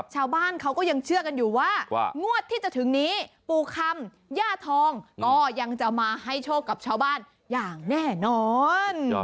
ชาวบ้านเขาก็ยังเชื่อกันอยู่ว่างวดที่จะถึงนี้ปู่คำย่าทองก็ยังจะมาให้โชคกับชาวบ้านอย่างแน่นอน